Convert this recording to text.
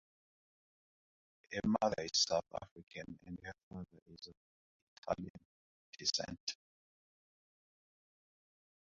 Her mother is South African and her father is of Italian descent.